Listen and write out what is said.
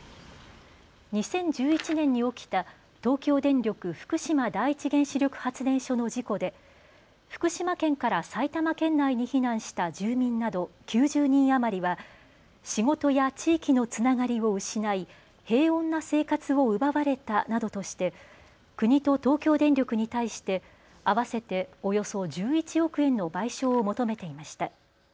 ２０１１年に起きた東京電力福島第一原子力発電所の事故で福島県から埼玉県内に避難した住民など９０人余りは仕事や地域のつながりを失い平穏な生活を奪われたなどとして国と東京電力に対して合わせておよそ１１億円の賠償を求めていました。